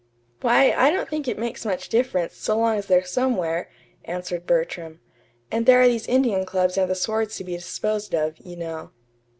"Why, I don't think it makes much difference, so long as they're somewhere," answered Bertram. "And there are these Indian clubs and the swords to be disposed of, you know."